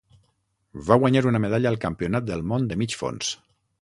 Va guanyar una medalla al Campionat del món de mig fons.